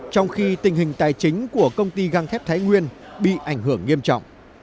trong khi tình hình tài chính của công ty găng thép thái nguyên bị ảnh hưởng nghiêm trọng